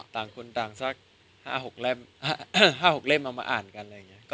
ต่างคนต่างสัก๕๖เล่มเอามาอ่านกัน